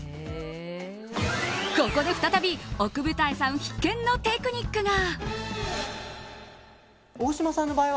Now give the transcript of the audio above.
ここで再び奥二重さん必見のテクニックが。